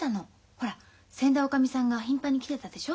ほら先代おかみさんが頻繁に来てたでしょ？